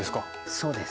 そうです。